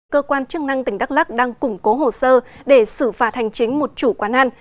cơ quan chức năng tỉnh đắk lắc đang củng cố hồ sơ để xử phạt hành chính một chủ quán ăn